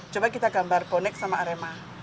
coba kita gambar bonek sama arema